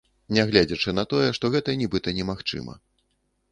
Нягледзячы на тое, што гэта нібыта немагчыма.